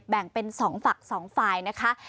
แบ่งเป็นสองฝักสองฝ่ายนะคะ